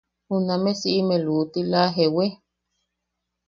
Juname siʼime luʼutila ¿jewi?